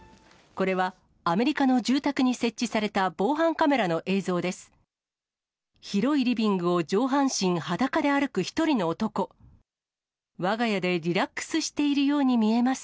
これはアメリカの住宅に設置された、防犯カメラの映像です。